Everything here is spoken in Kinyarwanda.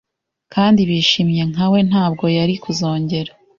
kandi bishimye nka we Ntabwo yari kuzongera